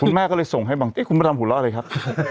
คุณแม่ก็เลยส่งให้บางติ๊กคุณมาทำหุล่าเลยครับ